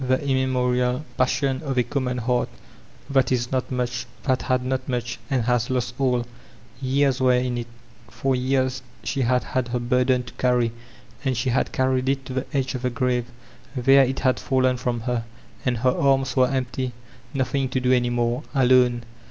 The immemorial passion of a co mm on heart. At the End of the Alley 445 that if not much, that had not much, and has lost all Years were in it For years she had had her burden to carry; and she had carried it to the edge of the grave. There it had fallen from her, and her arms were en^ty. Nothing to do any more. Alone.